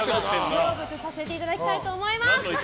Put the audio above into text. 成仏させていただきたいと思います。